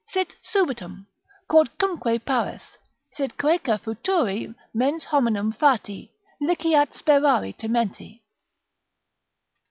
Sit subitum, quodcumque paras; sit coeca futuri Mens hominum fati, liceat sperare timenti."